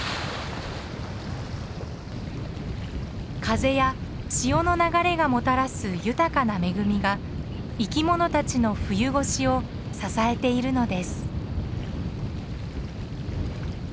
風や潮の流れがもたらす豊かな恵みが生きものたちの冬越しを支えているのです。